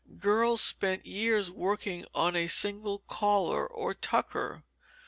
Girls spent years working on a single collar or tucker.